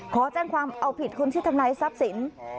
ขอแจ้งความเอาผิดคนที่ทำลายทรัพย์สิน